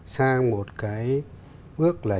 sang một cái bước là